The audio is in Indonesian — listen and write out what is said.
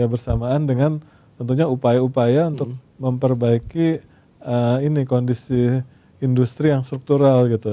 bersamaan dengan tentunya upaya upaya untuk memperbaiki kondisi industri yang struktural gitu